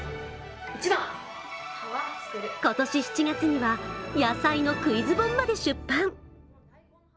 今年７月には、野菜のクイズ本まで出版。